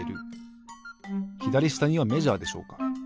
ひだりしたにはメジャーでしょうか。